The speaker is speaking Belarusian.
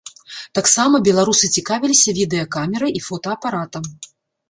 Таксама беларусы цікавіліся відэакамерай і фотаапаратам.